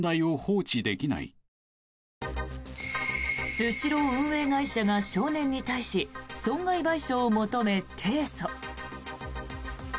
スシロー運営会社が少年に対し損害賠償を求め提訴。